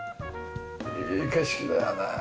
いい景色だよね。